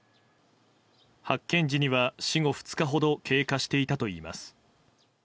発見時には、死後２日ほど経過していたといいます。